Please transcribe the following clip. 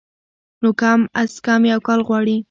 نو کم از کم يو کال غواړي